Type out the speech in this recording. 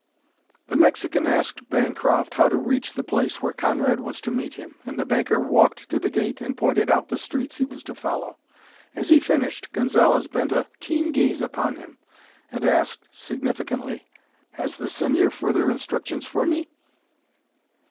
The Mexican asked Bancroft how to reach the place where Conrad was to meet him, and the banker walked to the gate and pointed out the streets he was to follow. As he finished Gonzalez bent a keen gaze upon him and asked, significantly, "Has the señor further instructions for me?"